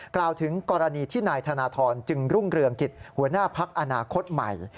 กล่าวถึงกรณีที่นายธนทรจึงรุ่งเรืองกิจหัวหน้าพักอนาคตใหม่